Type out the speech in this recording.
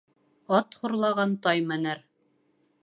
Ат хурлаған тай менер